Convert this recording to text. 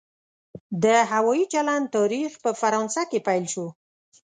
د هوایي چلند تاریخ په فرانسه کې پیل شو.